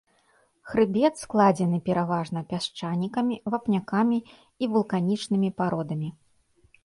Хрыбет складзены пераважна пясчанікамі, вапнякамі і вулканічнымі пародамі.